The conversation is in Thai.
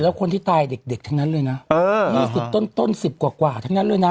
แล้วคนที่ตายเด็กเด็กทั้งนั้นเลยน่ะเอออ่ายี่สิบต้นต้นสิบกว่ากว่าทั้งนั้นเลยน่ะ